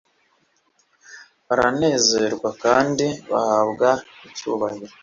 baranezerwa kandi bahabwa icyubahiro